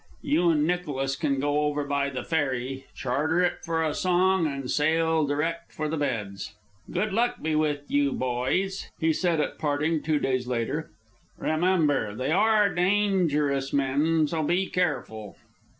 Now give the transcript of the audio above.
You and Nicholas can go over by the ferry, charter it for a song, and sail direct for the beds." "Good luck be with you, boys," he said at parting, two days later. "Remember, they are dangerous men, so be careful."